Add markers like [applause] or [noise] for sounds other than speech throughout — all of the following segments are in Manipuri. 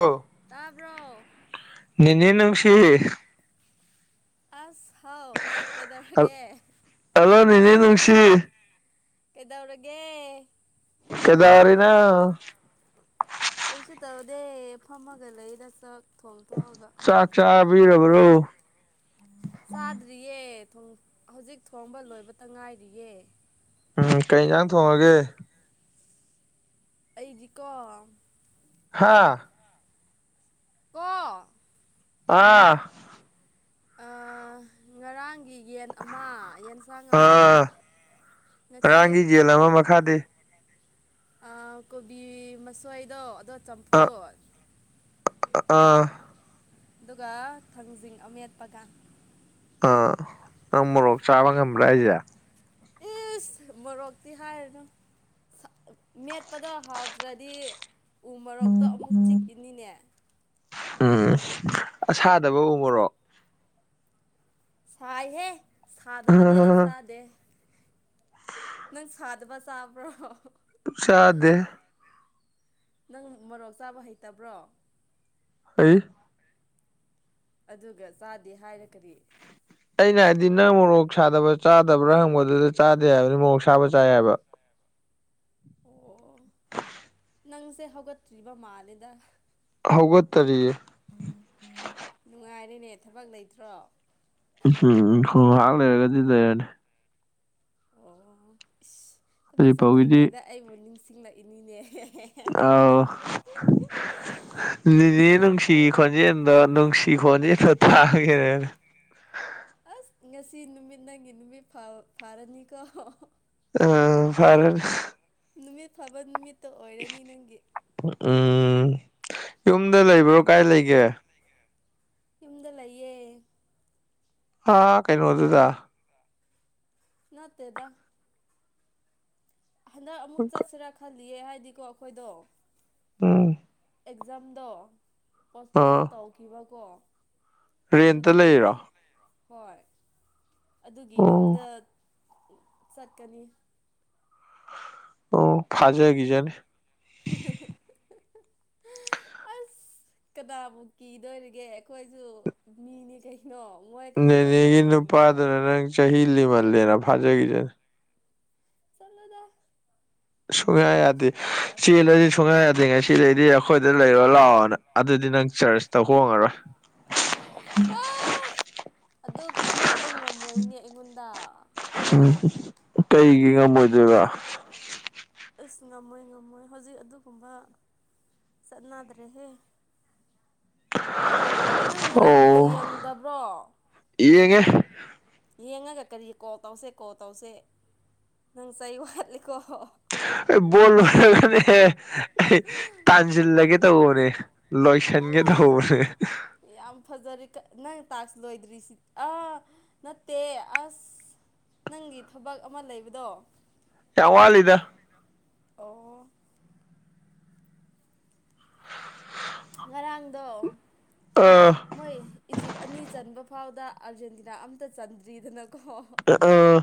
ꯑꯣ ꯇꯥꯕꯔꯣ ꯅꯦꯅꯦ ꯅꯨꯡꯁꯤ [unintelligible] ꯑꯁ ꯍꯥꯎ ꯀꯩꯗꯧꯔꯒꯦ ꯍꯜꯂꯣ ꯅꯦꯅꯦ ꯅꯨꯡꯁꯤ ꯀꯩꯗꯧꯔꯒꯦ ꯀꯩꯗꯧꯔꯤꯅꯣ ꯀꯩꯁꯨ ꯇꯧꯗꯦ ꯐꯝꯃꯒ ꯂꯩꯗ ꯆꯥꯛ ꯊꯣꯡ ꯊꯣꯛꯑꯒ ꯆꯥꯛ ꯆꯥꯛ ꯆꯥꯕꯤꯔꯕ꯭ꯔꯣ ꯆꯥꯕꯤꯔ꯭ꯕꯣ ꯆꯥꯗ꯭ꯔꯤꯌꯦ ꯊꯣꯡ ꯍꯧꯖꯤꯛ ꯊꯣꯡꯕ ꯂꯣꯏꯕꯇ ꯉꯥꯏꯔꯤꯌꯦ ꯎꯝ ꯀꯩ ꯏꯟꯖꯥꯡ ꯊꯣꯡꯉꯒꯦ [unintelligible] ꯑꯩꯗꯤꯀꯣ ꯍꯥꯥ ꯍꯥ ꯀꯣ ꯑꯥ ꯑꯥ ꯑꯥ ꯉꯔꯥꯡꯒꯤ ꯌꯦꯟ ꯑꯃ ꯌꯦꯟꯖꯥꯡ ꯑꯃ ꯑꯥ ꯉꯁꯤ ꯉꯔꯥꯡꯒꯤ ꯌꯦꯟ ꯑꯃ ꯃꯠ ꯈꯥꯗꯤ ꯑꯥ ꯀꯣꯕꯤ ꯃꯁꯣꯏꯗꯣ ꯑꯗꯣ ꯆꯝꯐꯨꯠ ꯑꯛ ꯑꯥꯥ ꯑꯗꯨꯒ ꯊꯥꯡꯖꯤꯡ ꯑꯃꯦꯠꯄꯒ ꯑꯥ ꯅꯪ ꯃꯣꯔꯣꯛ ꯆꯥꯕ ꯉꯝꯕ꯭ꯔꯥ ꯍꯥꯏꯖꯦ ꯏꯁ ꯃꯣꯔꯣꯛꯇꯤ ꯍꯥꯏꯔꯅꯨ ꯁ ꯃꯦꯠꯄꯗꯣ ꯍꯥꯎꯇ꯭ꯔꯗꯤ ꯎ ꯃꯣꯔꯣꯛꯇꯣ ꯑꯃꯨꯛ ꯆꯤꯛꯏꯅꯤꯅꯦ ꯎꯝ ꯑꯁꯥꯗꯕ ꯎꯃꯣꯔꯣꯛ ꯁꯥꯏꯍꯦ ꯁꯥꯗꯕꯗꯤ ꯑꯩ ꯆꯥꯗꯦ ꯅꯪ ꯁꯥꯗꯕ ꯆꯥꯕ꯭ꯔꯣ ꯆꯥꯗꯦ ꯅꯪ ꯃꯣꯔꯣꯛ ꯆꯥꯕ ꯍꯩꯇꯕ꯭ꯔꯣ ꯍꯩ ꯑꯗꯨꯒ ꯆꯥꯗꯦ ꯍꯥꯏꯔꯥ ꯀꯔꯤ ꯑꯩꯅ ꯍꯥꯏꯗꯤ ꯅꯪ ꯃꯣꯔꯣꯛ ꯁꯥꯗꯕ ꯆꯥꯗꯕ꯭ꯔꯥ ꯍꯪꯕꯗꯨꯗ ꯆꯥꯗꯦ ꯍꯥꯏꯕꯅꯤ ꯃꯣꯔꯣꯛ ꯁꯥꯕ ꯆꯥꯏ ꯍꯥꯏꯕ ꯑꯣ ꯅꯪꯁꯦ ꯍꯧꯒꯠꯇ꯭ꯔꯤꯕ ꯃꯥꯜꯂꯦꯗ ꯍꯧꯒꯠ ꯇꯔꯤꯌꯦ ꯅꯨꯡꯉꯥꯏꯔꯦꯅꯦ ꯊꯕꯛ ꯂꯩꯇ꯭ꯔꯣ ꯎꯝ ꯍꯨꯝ ꯍꯣꯏ ꯉꯍꯥꯛ ꯂꯩꯔꯒꯗꯤ ꯂꯩꯔꯅꯤ ꯑꯣ ꯏꯁ ꯊꯕꯛ ꯍꯧꯖꯤꯛ ꯐꯥꯎꯒꯤꯗꯤ ꯆꯠꯇ꯭ꯔꯤꯉꯩꯗ ꯑꯩꯕꯨ ꯅꯤꯡꯁꯤꯡꯂꯛꯏꯅꯤꯅꯦ ꯑꯧ ꯅꯤꯅꯦ ꯌꯥꯝ ꯅꯨꯡꯁꯤꯒꯤ ꯐꯩ ꯈꯣꯟ ꯖꯦꯜꯗꯣ ꯅꯨꯡꯁꯤ ꯈꯣꯟꯖꯦꯜꯗꯣ ꯇꯥꯒꯦꯅꯅꯦ ꯑꯁ ꯉꯁꯤ ꯅꯨꯃꯤꯠ ꯅꯪꯒꯤ ꯅꯨꯃꯤꯠ ꯐꯥ ꯐꯥꯔꯅꯤꯀꯣ ꯑꯥ ꯐꯥꯔꯅꯤ ꯅꯨꯃꯤꯠ ꯐꯥꯕ ꯅꯨꯃꯤꯠꯇꯣ ꯑꯣꯏꯔꯅꯤ ꯅꯪꯒꯤ ꯎꯝ ꯌꯨꯝꯗ ꯂꯩꯕ꯭ꯔꯣ ꯌꯨꯝꯗ ꯀꯥꯏ ꯂꯩꯕ꯭ꯔꯣ ꯂꯩꯒꯦ ꯀꯥꯏ ꯂꯩꯒꯦ ꯌꯨꯝꯗ ꯂꯩꯌꯦ ꯑꯥ ꯀꯩꯅꯣꯗꯨꯗ ꯅꯠꯇꯦꯗ ꯍꯟꯗꯛ ꯑꯃꯨꯛ ꯆꯠꯁꯤꯔꯥ ꯈꯜꯂꯤꯌꯦ ꯍꯥꯏꯗꯤꯀꯣ ꯑꯩꯈꯣꯏꯗꯣ ꯎꯝ ꯑꯦꯛꯖꯥꯝꯗꯣ ꯄꯣꯁꯄꯣꯟ ꯑꯥ ꯇꯧꯈꯤꯕꯀꯣ ꯑꯗꯨꯗꯤ ꯔꯦꯟꯇ ꯂꯩꯔꯤꯔꯣ ꯍꯣꯏ ꯑꯗꯨꯒꯤ ꯑꯣ ꯌꯨꯝꯗ ꯆꯠꯀꯅꯤ ꯑꯣ ꯐꯖꯒꯤꯖꯅꯤ [unintelligible] ꯑꯁ ꯀꯅꯥꯕꯨ ꯀꯤꯗꯣꯔꯤꯒꯦ ꯑꯩꯈꯣꯏꯁꯨ ꯃꯤꯅꯤ ꯀꯩ ꯅꯣ ꯃꯣꯏ ꯈꯛꯇ ꯇꯧꯕ ꯅꯦꯅꯦꯒꯤ ꯉꯝꯕ꯭ꯔꯣ ꯅꯨꯄꯥꯗꯨꯅ ꯅꯪ ꯆꯍꯤ ꯂꯤꯃꯜꯂꯦꯅ ꯐꯥꯖꯒꯤꯖꯅꯤ ꯆꯠꯂꯣꯗꯥ ꯁꯨꯛꯌꯥ ꯌꯥꯗꯦ ꯆꯦꯜꯂꯁꯤ ꯁꯨꯛꯌꯥ ꯌꯥꯗꯦ ꯉꯁꯤꯗꯩꯗꯤ ꯑꯥ ꯑꯩꯈꯣꯏꯗ ꯂꯩꯔꯣ ꯂꯥꯛꯑꯣꯅ ꯑꯗꯨꯗꯤ ꯅꯪ ꯆ꯭ꯔꯆꯇ ꯍꯣꯡꯉꯔꯣꯏ ꯑꯥ ꯑꯗꯨ ꯇꯧꯕ ꯉꯝꯃꯣꯏꯅꯦ ꯑꯩꯉꯣꯟꯗ ꯎꯝꯍꯨꯝ ꯀꯩꯒꯤ ꯉꯝꯃꯣꯏꯗꯣꯏꯕ ꯑꯁ ꯉꯝꯃꯣꯏ ꯉꯝꯃꯣꯏ ꯍꯧꯖꯤꯛ ꯑꯗꯨꯒꯨꯝꯕ ꯆꯠꯅꯗ꯭ꯔꯦꯍꯦ ꯅꯪ ꯉꯔꯥꯡ ꯑꯣ ꯕꯣꯜ ꯌꯦꯡꯗꯕ꯭ꯔꯣ ꯌꯦꯡꯉꯦ ꯌꯦꯡꯉꯒ ꯀꯔꯤ ꯀꯣꯜ ꯇꯧꯁꯦ ꯀꯣꯜ ꯇꯧꯁꯦ ꯅꯪ ꯆꯩ ꯋꯥꯠꯂꯤꯀꯣ ꯑꯩ ꯕꯣꯜ ꯂꯣꯏꯔꯒꯅꯤ ꯍꯦ ꯑꯩ ꯇꯥꯟꯖꯤꯜꯂꯒꯦ ꯇꯧꯕꯅꯦ ꯂꯣꯏꯁꯟꯒꯦ ꯆꯠꯂꯣꯍꯦ ꯇꯧꯕꯅꯦ ꯌꯥꯝ ꯐꯖꯔꯦ ꯅꯪ ꯇꯥꯛꯁ ꯂꯣꯏꯗ꯭ꯔꯤꯁꯤ ꯑ ꯅꯠꯇꯦ ꯑꯁ ꯅꯪꯒꯤ ꯊꯕꯛ ꯑꯃ ꯂꯩꯕꯗꯣ ꯌꯥꯝ ꯋꯥꯠꯂꯤꯗ ꯑꯣ ꯉꯔꯥꯡꯗꯣ ꯑꯥ ꯃꯣꯏ ꯏꯖꯤꯞ ꯑꯅꯤ ꯆꯟꯕ ꯐꯥꯎꯗ ꯑꯥꯔꯖꯦꯟꯇꯤꯅꯥ ꯑꯝꯇ ꯆꯟꯗ꯭ꯔꯤꯗꯅꯀꯣ ꯑꯥ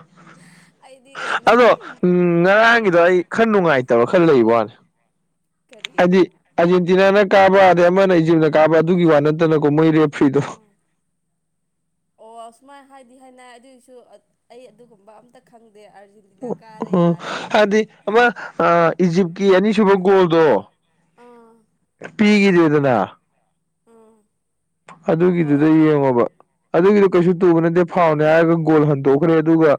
ꯑꯩꯗꯤ ꯀꯩꯅꯣ ꯑꯗꯣ ꯂꯣꯏ ꯎꯝ ꯉꯔꯥꯡꯒꯤꯗꯣ ꯑꯩ ꯈꯔ ꯅꯨꯡꯉꯥꯏꯇꯕ ꯈꯔ ꯂꯩꯕ ꯋꯥꯅꯤ ꯀꯔꯤ ꯍꯥꯏꯗꯤ ꯑꯥꯔꯖꯦꯟꯇꯤꯅꯥꯅ ꯀꯥꯕ ꯑꯗꯩ ꯑꯃꯅ ꯏꯖꯤꯞꯅ ꯀꯥꯕ ꯑꯗꯨꯒꯤ ꯋꯥ ꯅꯠꯇꯅꯀꯣ ꯃꯣꯏ ꯔꯦꯐ꯭ꯔꯤꯗꯣ [unintelligible] ꯑꯣ ꯑꯁꯨꯃꯥꯏ ꯍꯥꯏꯗꯤ ꯍꯥꯏꯅꯩ ꯑꯗꯨꯏꯁꯨ ꯑꯩ ꯑꯗꯨꯒꯨꯝꯕ ꯑꯝꯇ ꯈꯪꯗꯦ ꯑꯔꯖꯤꯟ ꯎ ꯎꯝ ꯍꯥꯏꯗꯤ ꯑꯃ ꯑꯥ ꯏꯖꯤꯞꯀꯤ ꯑꯅꯤꯁꯨꯕ ꯒꯣꯜꯗꯣ ꯑꯥ ꯄꯤꯒꯤꯗꯦꯗꯅ ꯎꯝ ꯑꯗꯨꯒꯤꯗꯨꯗ ꯌꯦꯡꯉꯣꯕ ꯑꯗꯨꯒꯤꯗꯨ ꯀꯩꯁꯨ ꯇꯨꯕ ꯅꯠꯇꯦ ꯐꯥꯎꯟꯅꯦ ꯍꯥꯏꯔꯒ ꯒꯣꯜ ꯍꯟꯗꯣꯛꯈ꯭ꯔꯦ ꯑꯗꯨꯒ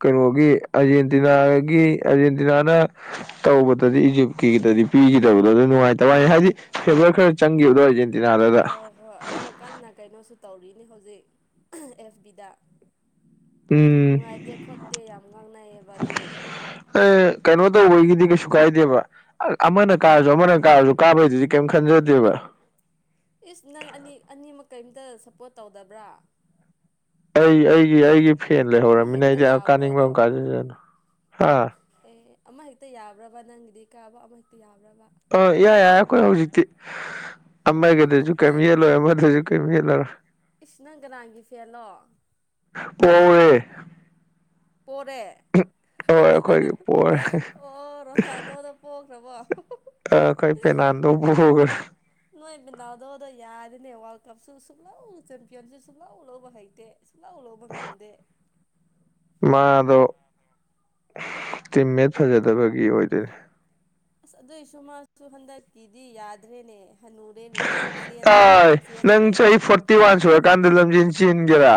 ꯀꯩꯅꯣꯒꯤ ꯑꯔꯖꯦꯟꯇꯤꯅꯥꯒꯤ ꯑꯔꯖꯦꯟꯇꯤꯅꯥꯅ ꯇꯧꯕꯗꯗꯤ ꯏꯖꯤꯞꯀꯤꯗꯗꯤ ꯄꯤꯒꯤꯗꯕꯗꯣ ꯑꯗꯨ ꯅꯨꯡꯉꯥꯏꯇꯕꯥꯏ ꯋꯥꯅꯤ ꯍꯥꯏꯗꯤ ꯐꯦꯕꯔ ꯈꯔ ꯆꯪꯈꯤꯕꯗꯣ ꯑꯔꯖꯦꯟ ꯇꯤꯅꯥ ꯗꯥꯗ ꯍꯣꯏ ꯍꯣꯏ ꯑꯗꯣ ꯀꯟꯅ ꯀꯩꯅꯣꯁꯨ ꯇꯧꯔꯤꯅꯤ ꯍꯧꯖꯤꯛ ꯑꯦꯐ ꯕꯤ ꯗ ꯎꯝ ꯅꯨꯡꯉꯥꯏꯇꯦ ꯈꯣꯠꯇꯦ ꯌꯥꯝ ꯉꯥꯡꯅꯩꯌꯦꯕ ꯑꯗꯨꯒꯤꯗꯣ ꯑꯦ ꯀꯩꯅꯣ ꯇꯧꯕꯒꯤꯗꯤ ꯀꯩꯁꯨ ꯀꯥꯏꯗꯦꯕ ꯑꯃꯅ ꯀꯥꯔꯁꯨ ꯑꯃꯅ ꯀꯥꯔꯁꯨ ꯀꯥꯕꯩꯗꯨꯗꯤ ꯀꯩꯝ ꯈꯟꯖꯗꯦꯕ ꯏꯁ ꯅꯪ ꯑꯅꯤ ꯑꯅꯤꯃꯛ ꯀꯔꯤꯝꯇ ꯁꯞꯄꯣꯔꯠ ꯇꯧꯗꯕ꯭ꯔꯥ ꯑꯩ ꯑꯩꯒꯤ ꯑꯩꯒꯤ ꯐꯦꯟ ꯑꯃ ꯂꯩꯍꯧꯔꯃꯤꯅ ꯍꯦꯛꯇ ꯑꯩꯗꯤ ꯑꯥ ꯌꯥꯕ꯭ꯔꯣ ꯀꯥꯅꯤꯡꯕ ꯑꯗꯣ ꯑꯃ ꯀꯥꯁꯡꯖꯁꯅꯨ ꯍꯥ ꯑꯦ ꯑꯃ ꯍꯦꯛꯇ ꯌꯥꯕ꯭ꯔꯕ ꯅꯪꯒꯤꯗꯤ ꯀꯥꯕ ꯑꯃ ꯍꯦꯛꯇ ꯌꯥꯕ꯭ꯔꯕ ꯑ ꯏꯌꯥ ꯌꯥꯏ ꯑꯩꯈꯣꯏ ꯍꯧꯖꯤꯛꯇꯤ ꯎꯝ ꯑꯃꯒꯤꯗꯁꯨ ꯀꯔꯤꯝ ꯅꯪ ꯌꯦꯠꯂꯣꯏ ꯑꯃꯗꯁꯨ ꯀꯔꯤꯝ ꯌꯦꯠꯂꯔꯣꯏ ꯏꯁ ꯅꯪ ꯀꯥꯅꯥꯒꯤ ꯐꯦꯟꯂꯣ ꯄꯣꯍꯧꯔꯦ ꯄꯣꯔꯦ ꯍꯣꯏ ꯑꯩꯈꯣꯏꯒꯤ ꯄꯣꯔꯦ ꯑꯣ ꯔꯣꯅꯥꯜꯗꯣ ꯗꯣ ꯄꯣꯛꯈ꯭ꯔꯕꯣ ꯑꯩꯈꯣꯏ ꯄꯦꯅꯥꯜꯗꯣ ꯄꯣꯒꯥꯔꯦ ꯅꯣꯏ ꯄꯦꯅꯥꯜꯗꯣ ꯗꯣ ꯌꯥꯗꯦꯅꯦ ꯋꯥꯔ꯭ꯜꯗ ꯀꯞꯁꯨ ꯁꯨꯛꯂꯧ ꯆꯦꯝꯄꯤꯌꯟꯁꯨ ꯁꯨꯛꯂꯧ ꯂꯧꯕ ꯍꯩꯇꯦ ꯁꯨꯛꯂꯧ ꯂꯧꯕ ꯉꯝꯗꯦ ꯃꯥꯗꯣ ꯇꯤꯝꯃꯦꯠ ꯐꯖꯗꯕꯒꯤ ꯑꯣꯏꯗꯣꯏꯅꯦ ꯑꯁ ꯑꯗꯨꯏꯁꯨ ꯃꯥꯁꯨ ꯍꯟꯗꯛꯇꯀꯤꯗꯤ ꯌꯥꯗ꯭ꯔꯦꯅꯦ ꯍꯟꯅꯨ ꯑꯥꯏ ꯅꯪ ꯆꯍꯤ ꯐꯣꯔꯇꯤ ꯋꯥꯟ ꯁꯨꯔꯀꯥꯟꯗ ꯂꯝꯖꯦꯟ ꯆꯦꯟꯒꯦꯔꯥ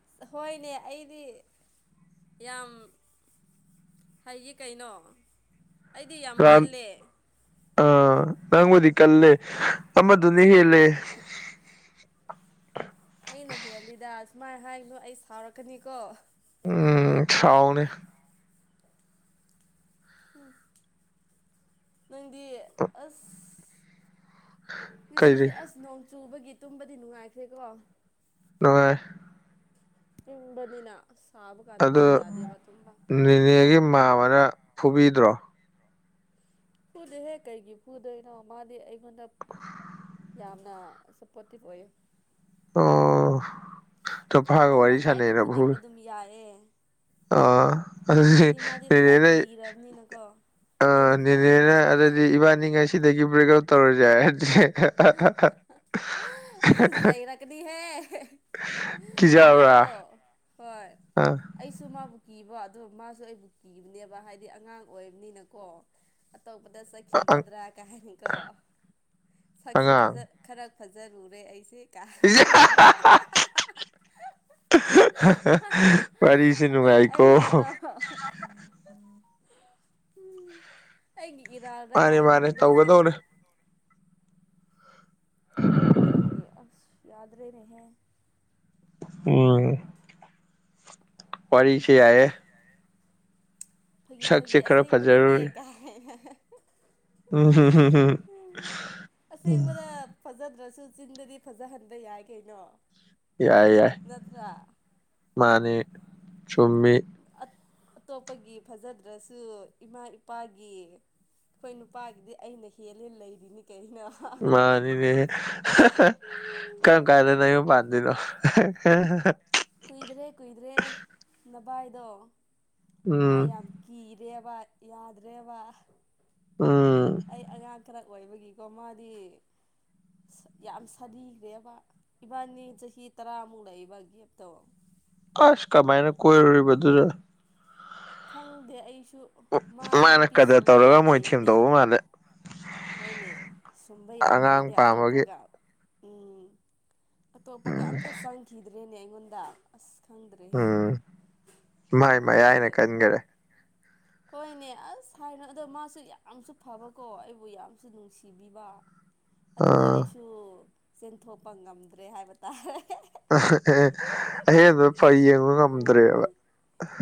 ꯑꯁ ꯍꯣꯏꯅꯦ ꯑꯩꯗꯤ ꯌꯥꯝ ꯍꯥꯏꯌꯦ ꯀꯩꯅꯣ ꯑꯩꯗꯤ ꯌꯥꯝ ꯔꯥꯎꯟ ꯀꯜꯂꯦ ꯑꯥ ꯅꯪꯕꯨꯗꯤ ꯀꯜꯂꯦ ꯑꯃꯗꯨꯅ ꯍꯦꯜꯂꯦ ꯑꯩꯅ ꯍꯦꯜꯂꯤꯗ ꯁꯨꯃꯥꯏꯅ ꯍꯥꯏꯅꯨ ꯑꯩ ꯁꯥꯎꯔꯛꯀꯅꯤꯀꯣ ꯎꯝ ꯁꯥꯎꯅꯦ ꯍꯨꯝ ꯅꯪꯗꯤ ꯑꯁ ꯉꯁꯤꯁꯦ ꯀꯩꯗꯤ ꯑꯁ ꯅꯣꯡ ꯆꯨꯕꯒꯤ ꯇꯨꯝꯕꯗꯤ ꯅꯨꯡꯉꯥꯏꯈ꯭ꯔꯦꯀꯣ ꯅꯨꯉꯥꯏ ꯏꯪꯕꯅꯤꯅꯥ ꯁꯥꯕ ꯀꯥꯟꯗꯗꯤ ꯑꯗꯣ ꯌꯥꯗꯦꯕ ꯇꯨꯝꯕꯥ ꯅꯦꯅꯦꯒꯤ ꯃꯥꯝꯃꯅ ꯐꯨꯕꯤꯗ꯭ꯔꯣ ꯐꯨꯗꯦꯍꯦ ꯀꯩꯒꯤ ꯐꯨꯗꯣꯏꯅꯣ ꯃꯥꯗꯤ ꯑꯩꯉꯣꯟꯗ ꯌꯥꯝꯅ ꯁꯞꯄꯣꯔꯇꯤꯞ ꯑꯣꯏꯌꯦ ꯑꯣ ꯅꯨꯄꯥꯒ ꯋꯥꯔꯤ ꯁꯥꯟꯅꯩꯅ ꯐꯨ ꯌꯥꯌꯦ ꯑꯣ ꯑꯗꯨꯗꯤ ꯈꯔ ꯅꯦꯅꯦ ꯅꯥ ꯂꯤꯔꯕꯅꯤꯅꯀꯣ ꯑ ꯑꯩꯅ ꯈꯔ ꯅꯦꯅꯦꯅ ꯑꯉꯥꯡꯅꯤꯅ ꯑꯗꯨꯗꯤ ꯏꯕꯥꯅꯤ ꯉꯁꯤꯗꯒꯤ ꯕ꯭ꯔꯦꯛ ꯑꯞ ꯇꯧꯔꯁꯦ ꯍꯥꯏꯔꯗꯤ ꯑꯗꯨ ꯆꯩꯔꯛꯀꯅꯤꯍꯦ ꯀꯤꯖꯕ꯭ꯔꯥ ꯃꯥꯗꯣ ꯍꯣꯏ ꯑꯥ ꯑꯩꯁꯨ ꯃꯥꯕꯨ ꯀꯤꯕ ꯑꯗꯣ ꯃꯥꯁꯨ ꯑꯩꯕꯨ ꯀꯤꯕꯅꯦꯕ ꯍꯥꯏꯗꯤ ꯑꯉꯥꯡ ꯑꯣꯏꯕꯅꯤꯅꯀꯣ ꯑꯇꯣꯞꯄꯗ ꯆꯠꯈꯤꯒꯗ꯭ꯔꯥ ꯀꯥꯏꯅꯀꯣ ꯁꯛꯁꯨ ꯑꯉꯥꯡ ꯐꯖꯟ ꯈꯔ ꯐꯖꯔꯨꯔꯦ ꯑꯩꯁꯦ ꯀꯥꯏꯅ ꯋꯥꯔꯤꯁꯦ ꯅꯨꯡꯉꯥꯏꯀꯣ ꯑꯍꯥ ꯑꯍꯥ ꯍꯝ ꯑꯩꯒꯤ ꯏꯔꯥꯜꯔꯥ ꯃꯥꯅꯦ ꯃꯥꯅꯦ ꯍꯥꯏꯕꯅꯤꯗ ꯁꯦ ꯇꯧꯒꯗꯧꯔꯦ [inaudible] ꯑꯗꯨꯒꯤ ꯑꯁ ꯌꯥꯗ꯭ꯔꯦꯅꯦꯍꯦ ꯎꯝ ꯋꯥꯔꯤꯁꯦ ꯌꯥꯏꯌꯦ ꯐꯥꯒꯤ ꯁꯛꯁꯦ ꯐꯥꯒꯤ ꯈꯔ ꯑꯁꯦꯡꯕꯅꯤꯍꯦ ꯐꯖꯔꯨꯔꯦ ꯀꯥꯏꯅ ꯑꯁꯦꯡꯕꯗ [unintelligible] ꯐꯖꯗ꯭ꯔꯁꯨ ꯆꯤꯟꯗꯗꯤ ꯐꯖꯍꯟꯕ ꯌꯥꯏ ꯀꯩꯅꯣ ꯌꯥꯏ ꯌꯥꯏ ꯅꯠꯇ꯭ꯔꯥ ꯃꯥꯅꯦ ꯆꯨꯝꯃꯤ ꯑꯇꯣꯞꯄꯒꯤ ꯐꯖꯗ꯭ꯔꯁꯨ ꯏꯃꯥ ꯏꯄꯥꯒꯤ ꯑꯩꯈꯣꯏ ꯅꯨꯄꯥꯒꯤꯗꯤ ꯑꯩꯅ ꯍꯦꯜꯂꯦ ꯂꯩꯔꯤꯅꯤ ꯀꯩꯅꯣ ꯃꯥꯟ ꯅꯦꯅꯦ ꯀꯔꯝ ꯀꯥꯟꯗ ꯅꯌꯨꯝ ꯄꯥꯟꯗꯣꯏꯅꯣ ꯀꯨꯏꯗ꯭ꯔꯦ ꯀꯨꯏꯗ꯭ꯔꯦ ꯅꯕꯥꯏꯗꯣ ꯃꯥ ꯎꯝ ꯌꯥꯝ ꯀꯤꯔꯦꯕ ꯌꯥꯗ꯭ꯔꯦꯕ ꯎꯝ ꯑꯩ ꯑꯉꯥꯡ ꯈꯔ ꯑꯣꯏꯕꯒꯤꯀꯣ ꯃꯥꯗꯤ ꯌꯥꯝ ꯁꯥꯔꯤꯈ꯭ꯔꯦꯕ ꯏꯕꯥꯅꯤ ꯆꯍꯤ ꯇꯔꯥꯃꯨꯛ ꯂꯩꯏꯕ ꯒꯦꯞꯇꯣ ꯑꯁ ꯀꯃꯥꯏꯅ ꯀꯣꯏꯔꯨꯔꯤꯕꯗꯨꯗ ꯈꯪꯗꯦ ꯑꯩꯁꯨ ꯃꯥꯗꯨ ꯃꯥꯅ ꯅꯨꯄꯤ ꯀꯗꯔ ꯁꯨꯝꯕ ꯇꯧꯔꯒ ꯌꯥꯝ ꯃꯣꯏ ꯍꯩꯅꯦ ꯊꯦꯝꯗꯧꯕ ꯃꯥꯜꯂꯦ ꯍꯣꯏꯅꯦ ꯁꯨꯝꯕ ꯌꯥꯝ ꯑꯉꯥꯡ ꯍꯩꯅꯦ ꯄꯥꯝꯕꯒꯤ ꯑꯇꯣꯞꯄꯒ ꯎꯝ ꯑꯇꯣꯞꯄꯒ ꯑꯝꯇ ꯆꯪꯈꯤꯗ꯭ꯔꯦꯅꯦ ꯑꯩꯉꯣꯟꯗ ꯑꯁ ꯈꯪꯗ꯭ꯔꯦꯍꯦ ꯎꯝ ꯃꯥꯏ ꯃꯌꯥꯏꯅ ꯃꯥꯁꯦ ꯀꯟꯈꯔꯦ ꯍꯣꯏꯅꯦ ꯑꯁ ꯍꯥꯏꯅꯣ ꯑꯗꯣ ꯃꯥꯁꯨ ꯌꯥꯝꯁꯨ ꯐꯕꯀꯣ ꯑꯩ ꯕꯨ ꯌꯥꯝꯁꯨ ꯅꯨꯡꯁꯤꯕꯤꯕ ꯑꯗꯨꯗ ꯑꯥ ꯑꯩꯁꯨ ꯁꯨ ꯆꯦꯟꯊꯣꯛꯄ ꯉꯝꯗ꯭ꯔꯦ ꯍꯥꯏꯕ ꯇꯥꯔꯦ ꯑꯦ ꯑꯍꯦꯟꯕ ꯐ ꯌꯦꯡꯕ ꯉꯝꯗ꯭ꯔꯦꯕ [unintelligible]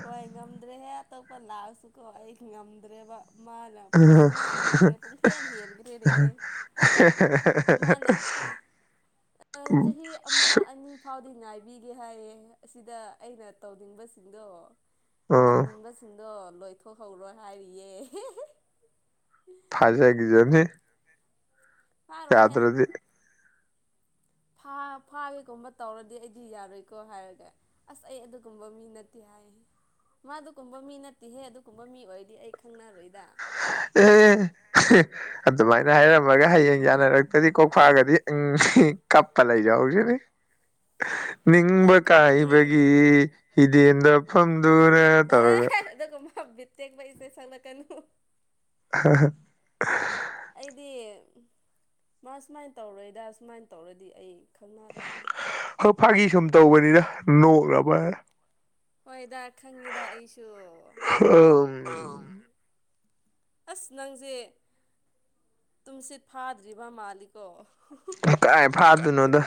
ꯍꯣꯏ ꯉꯝꯗ꯭ꯔꯦꯍꯦ ꯑꯇꯣꯞꯄ ꯂꯥꯛꯑꯁꯨꯀꯣ ꯑꯩ ꯉꯝꯗ꯭ꯔꯦꯕ ꯃꯥ ꯅ ꯄꯨꯝꯁꯨꯝ ꯁꯨꯝꯒ꯭ꯔꯦ ꯏꯍꯦꯟ ꯍꯦꯟꯒ꯭ꯔꯦ ꯅꯍꯦ ꯃꯥꯅ ꯑ ꯎꯝ ꯆꯍꯤ ꯑꯃ ꯑꯅꯤ ꯐꯥꯎꯗꯤ ꯉꯥꯏꯕꯤꯒꯦ ꯍꯥꯏꯌꯦ ꯑꯁꯤꯗ ꯑꯩꯅ ꯇꯧꯅꯤꯡꯕꯁꯤꯡꯗꯣ ꯎꯝ ꯇꯝꯅꯤꯡꯕꯁꯤꯡꯗꯣ ꯂꯣꯏꯊꯣꯛꯍꯧꯔꯣ ꯍꯥꯏꯔꯤꯌꯦ ꯊꯥꯖꯩ ꯐꯥꯔꯣꯏꯍꯦ ꯌꯥꯗ꯭ꯔꯗꯤ ꯐꯥ ꯐꯥꯒꯦꯒꯨꯝꯕ ꯇꯧꯔꯗꯤ ꯑꯩꯗꯤ ꯌꯥꯔꯣꯏꯀꯣ ꯍꯥꯏꯔꯒ ꯑꯁ ꯑꯩ ꯑꯗꯨꯒꯨꯝꯕ ꯃꯤ ꯅꯠꯇꯦ ꯍꯥꯏ ꯃꯥ ꯑꯗꯨꯒꯨꯝꯕ ꯃꯤ ꯅꯠꯇꯦꯍꯦ ꯑꯗꯨꯒꯨꯝꯕ ꯃꯤ ꯑꯣꯏꯔꯗꯤ ꯑꯩ ꯈꯪꯅꯔꯣꯏꯗ ꯑꯦ ꯍꯦ ꯑꯗꯨꯃꯥꯏꯅ ꯍꯥꯏꯔꯝꯃꯒ ꯍꯌꯦꯡ ꯌꯥꯅꯔꯛꯇꯗꯤ ꯀꯣꯛꯐꯥꯒꯗꯤ ꯀꯞꯄꯥ ꯂꯩꯖꯍꯧꯖꯅꯤ ꯑꯩ ꯅꯤꯡꯕ ꯀꯞꯄꯗꯤ ꯀꯥꯏꯕꯒꯤ ꯍꯤꯗꯦꯟꯗꯐꯝꯗꯨꯅ ꯇꯧꯔꯒ ꯑꯦ ꯑꯗꯨꯒꯨꯝꯃ ꯍꯥ ꯕꯤꯠ ꯇꯦꯛꯄ ꯏꯁꯩ ꯁꯛꯂꯛꯀꯅꯨ ꯑꯍꯥ ꯍꯥ ꯑꯩꯗꯤ ꯃꯥ ꯁꯨꯃꯥꯏꯅ ꯇꯧꯔꯣꯏꯗ ꯁꯨꯃꯥꯏꯅ ꯇꯧꯔꯗꯤ ꯑꯩ ꯈꯪꯅꯔꯣꯏ ꯃꯥ ꯍꯣꯏ ꯐꯥꯒꯤ ꯁꯨꯝ ꯇꯧꯕꯅꯤꯅ ꯅꯣꯛꯅꯕꯅ ꯍꯣꯏꯗ ꯈꯪꯉꯤꯗ ꯑꯩꯁꯨ ꯍꯥꯑꯝ ꯑꯍꯝ ꯑꯁ ꯅꯪꯖꯦ ꯇꯨꯝꯁꯤꯠ ꯐꯥꯗ꯭ꯔꯤꯕ ꯃꯥꯜꯂꯤ ꯍꯨꯍꯨꯍꯨ ꯀꯥꯏ ꯐꯥꯗꯣꯏꯅꯣꯗ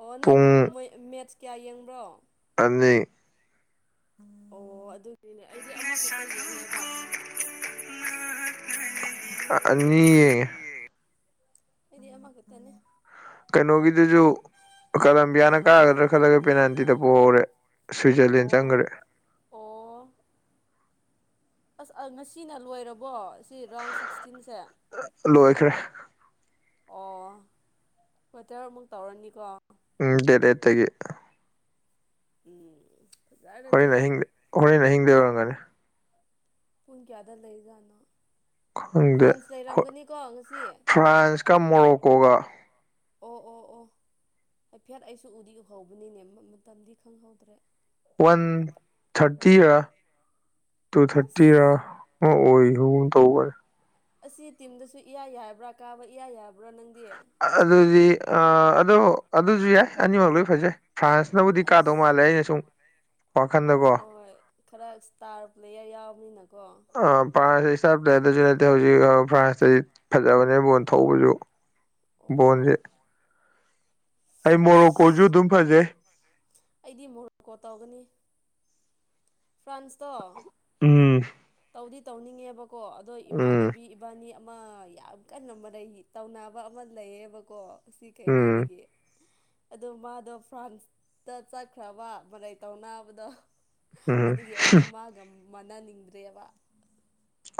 ꯑꯣ ꯅꯪ ꯄꯨꯡ ꯃꯣꯏ ꯃꯦꯠꯁ ꯀꯌꯥ ꯌꯦꯡꯕ꯭ꯔꯣ ꯑꯅꯤ ꯑꯣ ꯑꯗꯨꯅꯤꯅꯦ ꯑꯩꯗꯤ ꯅꯛꯅꯥ ꯁꯥꯠꯂꯨꯀꯣ ꯅꯛ [unintelligible] ꯑꯥ ꯑꯅꯤ ꯑꯩꯗꯤ ꯑꯃ ꯈꯥꯛꯇꯅꯤ ꯀꯩꯅꯣꯒꯤꯗꯨꯖꯨ ꯀꯂꯝꯕꯤꯌꯥꯅ ꯀꯥꯒꯗ꯭ꯔꯥ ꯈꯜꯂꯒ ꯄꯦꯅꯥꯜꯇꯤꯗ ꯄꯣꯍꯧꯔꯦ ꯁ꯭ꯋꯤꯖꯔꯂꯦꯟ ꯑꯣ ꯆꯪꯈ꯭ꯔꯦ ꯑꯣ ꯑꯁ ꯑꯥ ꯉꯁꯤꯅ ꯂꯣꯏꯔꯕꯣ ꯁꯤ ꯔꯥꯎꯟ ꯁꯤꯛꯁꯇꯤꯟꯁꯦ ꯂꯣꯏꯈ꯭ꯔꯦ ꯑꯣ ꯀꯣꯇꯔꯑꯃꯨꯛ ꯇꯧꯔꯅꯤꯀꯣ ꯎꯝ ꯗꯦꯗ ꯑꯦꯠꯇꯒꯤ ꯎꯝ ꯐꯖꯔꯅꯤ ꯍꯣꯔꯦꯟ ꯑꯍꯤꯡꯗ ꯍꯣꯔꯦꯟ ꯑꯍꯤꯡꯗꯩ ꯑꯣꯏꯔꯝꯒꯅꯤ ꯄꯨꯟ ꯀꯌꯥꯗ ꯂꯩꯖꯥꯠꯅꯣ ꯈꯪꯗꯦ ꯐ꯭ꯔꯥꯟꯁ ꯍꯣ ꯂꯩꯔꯝꯒꯅꯤꯀꯣ ꯉꯁꯤ ꯐ꯭ꯔꯥꯟꯁꯀ ꯃꯣꯔꯣꯀꯣꯒ ꯑꯣ ꯑꯣ ꯑꯣ ꯍꯥꯏꯐꯦꯠ ꯑꯩꯁꯨ ꯎꯗꯤ ꯎꯍꯧꯕꯅꯤꯅꯦ ꯃꯇꯝꯗꯤ ꯈꯪꯍꯧꯗ꯭ꯔꯦ ꯋꯥꯟ ꯊꯥꯔꯇꯤꯔꯥ ꯇꯨ ꯑꯁ ꯊꯥꯔꯇꯤꯔꯥ ꯑꯣ ꯑꯣꯔꯨꯟ ꯇꯧꯕꯅꯦ ꯑꯁꯤ ꯇꯤꯝꯗꯁꯨ ꯏꯌꯥ ꯌꯥꯕ꯭ꯔꯥ ꯀꯥꯕ ꯏꯌꯥ ꯌꯥꯕ꯭ꯔꯥ ꯅꯪꯗꯤ ꯑꯗꯨꯗꯤ ꯑꯗꯣ ꯑꯗꯨꯖꯨ ꯌꯥꯏ ꯑꯅꯤꯃꯛ ꯂꯣꯏ ꯐꯖꯩ ꯐ꯭ꯔꯥꯟꯁꯅꯕꯨꯗꯤ ꯀꯥꯗꯧ ꯑꯁ ꯃꯥꯜꯂꯦ ꯑꯩꯅ ꯁꯨꯝ ꯋꯥꯈꯟꯗꯀꯣ ꯍꯣꯏ ꯈꯔ ꯏꯁꯇꯥꯔ ꯄ꯭ꯂꯦꯌꯔ ꯌꯥꯎꯕꯅꯤꯅꯀꯣ ꯑꯥ ꯄ꯭ꯥꯔꯟꯁꯇꯗꯤ ꯏꯁꯇꯥꯔ ꯄ꯭ꯂꯦꯌꯥꯔꯗꯁꯨ ꯅꯠꯇꯦ ꯍꯧꯖꯤꯛ ꯐ꯭ꯥꯔꯟꯁꯇꯗꯤ ꯐꯖꯕꯅꯦ ꯕꯣꯟ ꯊꯧꯕꯖꯨ ꯕꯣꯟꯖꯦ ꯑꯣ ꯑꯩ ꯑꯁ ꯃꯣꯔꯣꯀꯣꯖꯨ ꯑꯗꯨꯝ ꯐꯖꯩ ꯑꯩꯗꯤ ꯃꯣꯔꯣꯀꯣ ꯇꯧꯒꯅꯤ ꯐ꯭ꯔꯥꯟꯁꯇꯣ ꯎꯝ ꯇꯧꯗꯤ ꯇꯧꯅꯤꯡꯉꯦꯕ ꯀꯣ ꯑꯗꯣ ꯎꯝ ꯏꯃꯥꯟꯅꯕꯤ ꯏꯕꯥꯅꯤ ꯑꯃ ꯌꯥꯝ ꯀꯟꯅ ꯃꯔꯩ ꯇꯧꯅꯕ ꯑꯃ ꯂꯩꯌꯦꯕꯀꯣ ꯁꯤ ꯎꯝ ꯀꯩꯅꯣꯗꯒꯤ ꯑꯗꯣ ꯃꯗꯣ ꯐ꯭ꯔꯥꯟꯁꯇ ꯆꯠꯈ꯭ꯔꯕ ꯃꯔꯩ ꯇꯧꯅꯕꯗꯣ ꯎꯝ ꯑꯗꯨꯒꯤ ꯑꯩꯗꯣ ꯃꯥꯒ ꯃꯥꯟꯅꯅꯤꯡꯗ꯭ꯔꯦꯕ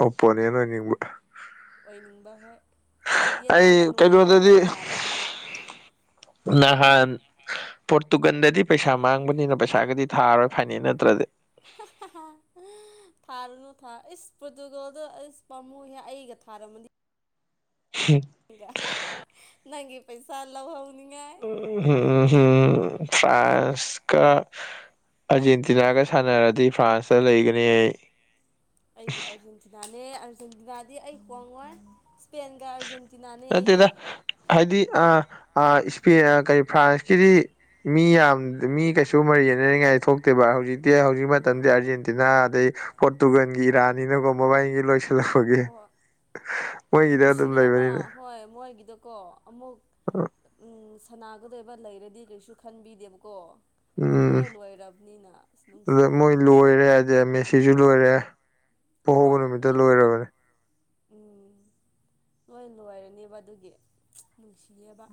ꯑꯣꯄꯣꯅꯦꯟ ꯑꯣꯏꯅꯤꯡꯕ ꯑꯣꯏꯅꯤꯡꯕ ꯍꯣꯏ ꯑꯩ ꯌꯦꯠꯅꯕ ꯅꯨꯡꯉꯥꯏꯕ ꯀꯩꯅꯣꯗꯗꯤ ꯍꯥꯏꯕ ꯇꯥꯔꯦ ꯃꯥꯗꯣ ꯅꯍꯥꯟ ꯄꯣꯔꯇꯨꯒꯜꯗꯗꯤ ꯄꯩꯁꯥ ꯃꯥꯡꯕꯅꯤꯅ ꯄꯩꯁꯥꯒꯗꯤ ꯊꯥꯔꯣꯏ ꯐꯥꯏꯅꯦꯜ ꯅꯠꯇ꯭ꯔꯗꯤ ꯊꯥꯔꯨꯅꯨ ꯊꯥ ꯏꯁ ꯄꯣꯔꯇꯨꯒꯜꯗ ꯏꯁ ꯄꯥꯝꯃꯨꯏꯍꯦ ꯑꯩꯒ ꯊꯥꯔꯝꯃꯗꯤ ꯍꯦ ꯅꯪꯒꯤ ꯄꯩꯁꯥ ꯂꯧꯍꯧꯅꯤꯡꯉꯦ ꯐ꯭ꯔꯥꯟꯁꯀ ꯑꯥꯔꯖꯦꯟꯇꯤ ꯇꯤꯅꯥꯒ ꯁꯥꯟꯅꯔꯗꯤ ꯐ꯭ꯔꯥꯟꯁꯇ ꯂꯩꯒꯅꯤ ꯑꯩ ꯑꯩꯗꯤ ꯑꯥꯔꯖꯦꯟꯇꯤꯅꯥꯅꯦ ꯑꯥꯔꯖꯦꯟꯇꯤꯅꯥꯗꯤ ꯑꯩ ꯍꯣꯡꯉꯣꯏ ꯁ꯭ꯄꯦꯟꯒ ꯑꯥꯔꯖꯦꯟ ꯅꯠꯇꯦꯗ ꯍꯥꯏꯗꯤ ꯑꯥ ꯑꯥ ꯏꯁꯄꯦꯟ ꯀꯔꯤ ꯐ꯭ꯔꯥꯟꯁꯀꯤꯗꯤ ꯃꯤ ꯌꯥꯝ ꯃꯤ ꯀꯩꯁꯨ ꯃꯔꯤ ꯌꯦꯠꯅꯅꯤꯡꯉꯥꯏ ꯊꯣꯛꯇꯦꯕ ꯍꯧꯖꯤꯛ ꯗꯦ ꯍꯧꯖꯤꯛ ꯑꯥ ꯃꯇꯝꯖꯦ ꯑꯥꯔꯖꯦꯟꯇꯤꯅꯥ ꯑꯗꯩ ꯄꯣꯔꯇꯨꯒꯟꯒꯤ ꯏꯔꯥꯅꯤꯅꯀꯣ ꯃꯕꯥꯏꯅꯤꯒꯤ ꯂꯣꯏꯁꯤꯜꯂꯛꯄꯒꯤ ꯍꯣꯏ ꯃꯣꯏꯒꯤꯗ ꯑꯗꯨꯝ ꯅꯨꯡꯁꯤꯌꯦꯕ ꯂꯩꯕꯅꯤꯅ ꯍꯣꯏ ꯃꯣꯏꯒꯤꯗꯣꯀꯣ ꯑꯃꯨꯛ ꯎꯝ ꯁꯅꯥꯒꯗꯣꯏꯕ ꯂꯩꯔꯗꯤ ꯀꯩꯁꯨ ꯈꯟꯕꯤꯗꯦꯕꯀꯣ ꯎꯝ ꯄꯨꯡꯂꯣꯏ ꯂꯣꯏꯔꯕꯅꯤꯅ ꯑꯁ ꯑꯗ ꯃꯣꯏ ꯅꯨꯡꯁꯤꯌꯦꯕ ꯂꯣꯏꯔꯦ ꯖꯦ ꯃꯦꯁꯤꯁꯨ ꯂꯣꯏꯔꯦ ꯄꯣꯍꯧꯕ ꯍꯣꯏ ꯅꯨꯃꯤꯠꯇ ꯂꯣꯏ ꯂꯣꯏꯔꯕꯅꯦ ꯎꯝ ꯂꯣꯏ ꯂꯣꯏꯔꯅꯤꯕ ꯑꯗꯨꯒꯤ ꯅꯨꯡꯁꯤꯌꯦꯕ